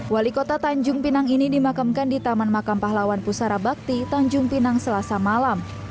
wali kota tanjung pinang ini dimakamkan di taman makam pahlawan pusara bakti tanjung pinang selasa malam